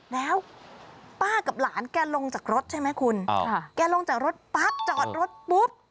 แล้วป้ากับหลานแกลงจากรถใช่ไหมคุณแกลงจากรถปั๊บจอดรถปุ๊บ